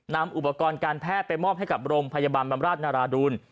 นำอุปกรณ์การแพทย์ไปมอบให้กับโรงพยาบาลบำราชนาราดูล